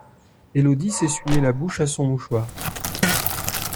Élodie s'essuyait la bouche à son mouchoir.